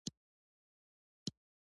پښتو ژبه د نویو ټکنالوژیو سره همغږي شي.